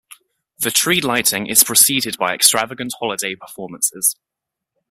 The tree lighting is preceded by extravagant holiday performances.